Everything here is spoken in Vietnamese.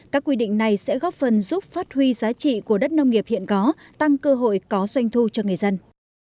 các quy định này sẽ góp phần giúp phát huy giá trị của đất nông nghiệp hiện có tăng cơ hội có doanh thu cho người dân